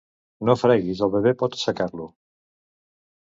No freguis el bebè per assecar-lo.